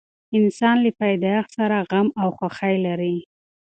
انسان له پیدایښت سره غم او خوښي لري.